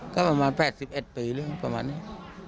ก็ประมาณ๘๑ปีหรือประมาณนี้